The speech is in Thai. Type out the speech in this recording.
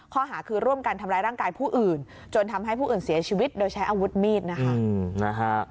ข้อหาคือร่วมกันทำร้ายร่างกายผู้อื่นจนทำให้ผู้อื่นเสียชีวิตโดยใช้อาวุธมีดนะคะ